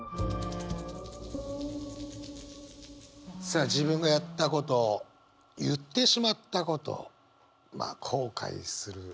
さあ自分がやったこと言ってしまったことまあ後悔する。